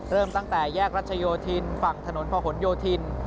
เริ่มตั้งแต่แยกรัชโยธินฝั่งถนนพะหนโยธิน